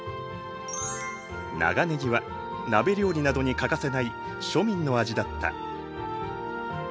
長ねぎは鍋料理などに欠かせない庶民の味だった。